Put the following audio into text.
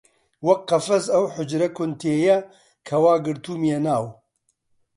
وەک قەفەس ئەم حوجرە کون تێیە کە وا گرتوومیە ناو